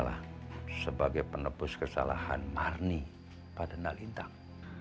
malah sebagai penebus kesalahan marni pada nalintang